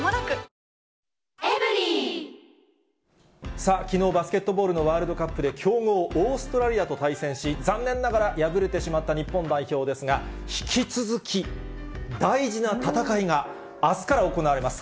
さあ、きのうバスケットボールのワールドカップで、強豪オーストラリアと対戦し、残念ながら敗れてしまった日本代表ですが、引き続き、大事な戦いがあすから行われます。